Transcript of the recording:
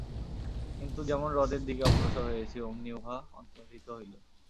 কিন্তু যেমন হ্রদের দিকে অগ্রসর হইয়াছি অমনি উহা অন্তর্হিত হইল।